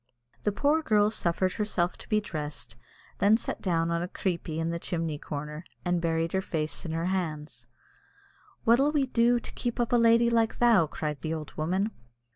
The poor girl suffered herself to be dressed, and then sat down on a "creepie" in the chimney corner, and buried her face in her hands. "What'll we do to keep up a lady like thou?" cried the old woman.